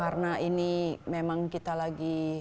ya karena ini memang kita lagi ya harus lebih mendukung